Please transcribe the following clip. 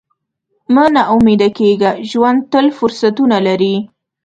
مه نا امیده کېږه، ژوند تل فرصتونه لري.